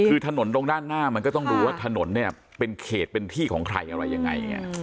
คือถนนตรงด้านหน้ามันก็ต้องดูว่าถนนเนี่ยเป็นเขตเป็นที่ของใครอะไรยังไง